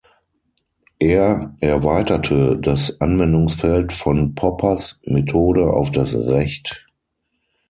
Er erweiterte das Anwendungsfeld von Poppers Methode auf das Recht.